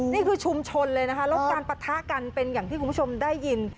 นี่คือชุมชนเลยนะคะแล้วการปะทะกันเป็นอย่างที่คุณผู้ชมได้ยิน